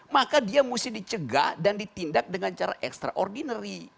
maka dia mesti dicegah dan ditindak dengan cara extraordinary